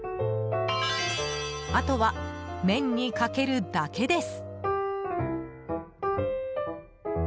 あとは麺にかけるだけです。